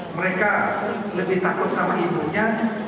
mereka lebih takut sama ibunya